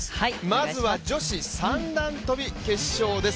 まずは女子三段跳び決勝です。